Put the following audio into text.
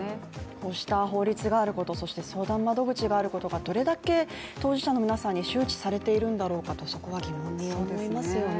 こうした法律があること、そして相談窓口があることがどれだけ当事者の皆さんに周知されているんだろうか、そこは疑問に思いますよね。